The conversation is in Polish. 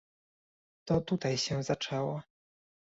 To tutaj się zaczęło